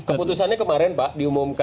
keputusannya kemarin pak diumumkan